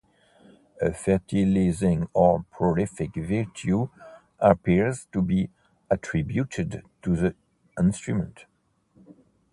A fertilizing or prolific virtue appears to be attributed to the instrument.